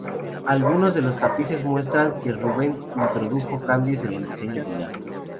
Algunos de los tapices muestran que Rubens introdujo cambios en el diseño final.